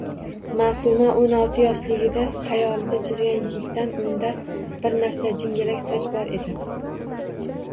Maʼsuma oʼn olti yoshligida xayolida chizgan yigitdan unda bir narsa — jingalak soch bor edi.